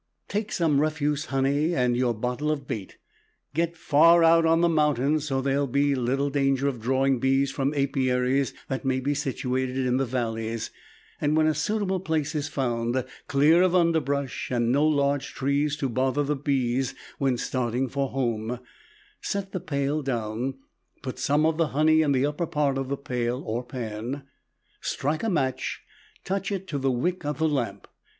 Take some refuse honey and your bottle of bait, get far out on the mountains, so there will be little danger of drawing bees from apiaries that may be situated in the valleys. When a suitable place is found, clear of underbrush and no large trees to bother the bees when starting for home, set pail down, put some of the honey in the upper part of the pail (or pan), strike a match, touch it to the wick of the lamp.